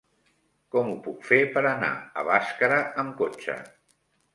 Com ho puc fer per anar a Bàscara amb cotxe?